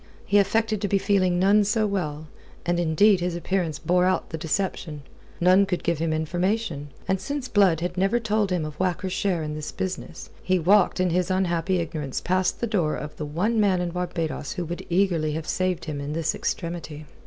He affected to be feeling none so well, and indeed his appearance bore out the deception. None could give him information; and since Blood had never told him of Whacker's share in this business, he walked in his unhappy ignorance past the door of the one man in Barbados who would eagerly have saved him in this extremity.